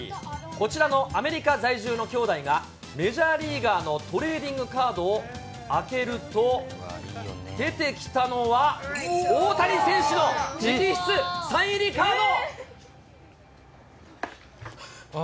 こちらのアメリカ在住の兄弟が、メジャーリーガーのトレーディングカードを開けると、出てきたのは、大谷選手の直筆サイン入りカード。